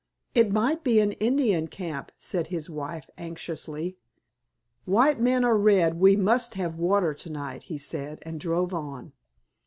"It might be an Indian camp," said his wife anxiously. "White men or red we must have water to night," he said, and drove on.